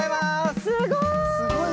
すごい！